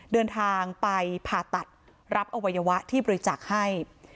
เดินทางไปผ่าตัดรับอวัยวะที่บริจาคให้